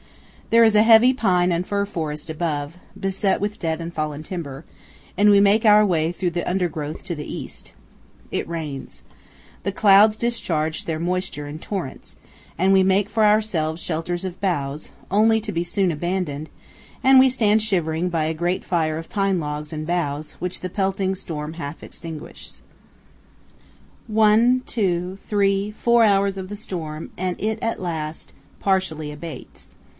There is a heavy pine and fir forest above, beset with dead and fallen timber, and we make our way through the undergrowth to the east. It rains. The clouds discharge their moisture in torrents, and we make for ourselves shelters of boughs, only to be soon abandoned, and we stand shivering by a great fire of pine logs and boughs, which the pelting storm half extinguishes. One, two, three, four hours of the storm, and at last it partially abates.